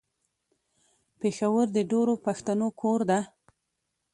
پېښور د ډېرو پښتنو کور ده.